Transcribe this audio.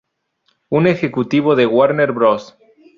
Un ejecutivo de Warner Bros.